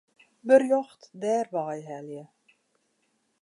Berjocht dêrwei helje.